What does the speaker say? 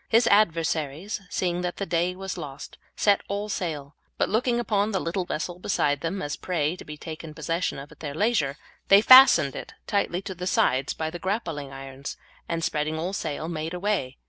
His adversaries, seeing that the day was lost, set all sail, but looking upon the little vessel beside them as a prey to be taken possession of at their leisure, they fastened it tightly to their sides by the grappling irons, and spreading all sail, made away.